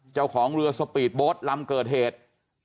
เจ้าของเรือสปีทบถรรมเกิดเหตุ